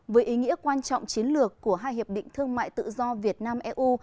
với ý nghĩa quan trọng chiến lược của hai hiệp định thương mại tự do việt nam eu